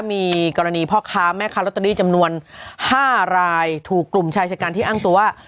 มีกรณีพ่อค้าแม่ค้าลอตเตอรี่จำนวน๕รายถูกกลุ่มชายชะกันที่อ้างตัวว่า